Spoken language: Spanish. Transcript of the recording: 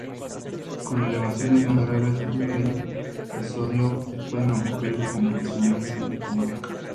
Con elevaciones más graves del nivel de sodio pueden ocurrir convulsiones y el coma.